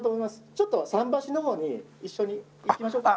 ちょっと桟橋の方に一緒に行きましょうか。